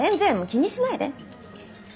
気にしないで。